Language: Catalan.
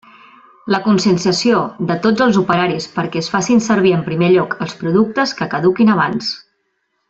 La conscienciació de tots els operaris perquè es facin servir en primer lloc els productes que caduquin abans.